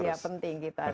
ya penting kita